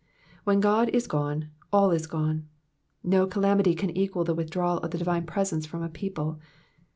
When God is gone all is gone. No* calamity can equal the withdrawal of the divine presence from a people.